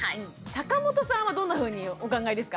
坂本さんはどんなふうにお考えですか？